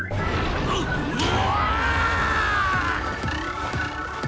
うわ！